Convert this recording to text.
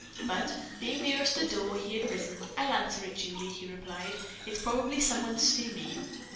But, being nearest the door, he had risen. "I'll answer it, Julie," he replied. "It is probably some one to see me."